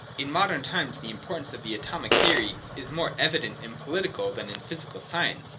— In modern times the importance of the atomic theory is even more evident in political than in physical science.